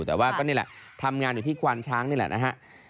แต่ว่าก็นี่แหละทำงานอยู่ที่ควานช้างนี่แหละนะฮะ